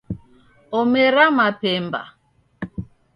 Omera mapemba